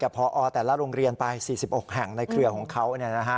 พอแต่ละโรงเรียนไป๔๖แห่งในเครือของเขา